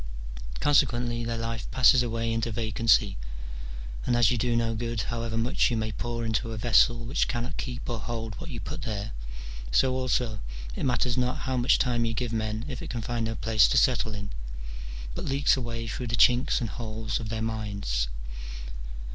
Consequently, their life passes away into vacancy, and as you do no good however much you may pour into a vessel which cannot keep or hold what you put there, so also it matters not how much time you give men if it can find no place to settle in, but leaks away through the chinks and holes of their minds.